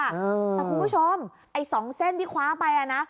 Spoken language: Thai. แต่คุณผู้ชมไอ้๒เส้นที่คว้าไปนะ